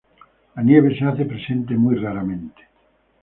La nieve se hace presente muy raramente.